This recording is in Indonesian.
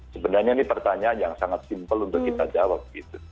sebenarnya ini pertanyaan yang sangat simpel untuk kita jawab